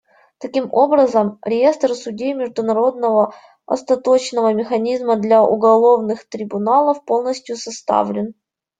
Таким образом, реестр судей Международного остаточного механизма для уголовных трибуналов полностью составлен.